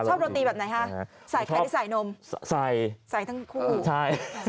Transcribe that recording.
ชอบโรตีแบบไหนฮะใส่ใส่นมใส่ทั้งคู่ใช่